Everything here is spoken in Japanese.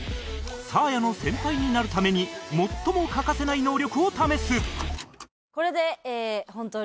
サーヤの先輩になるために最も欠かせない能力を試す